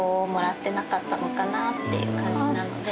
のかなっていう感じなので。